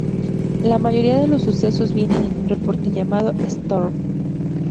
La mayoría de los sucesos vienen en un reporte llamado "Storm".